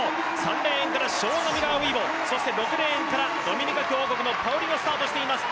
３レーンからショーナ・ミラー・ウイボ、６レーンからドミニカ共和国がスタートしています。